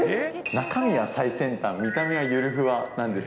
中身は最先端、見た目はゆるふわなんです。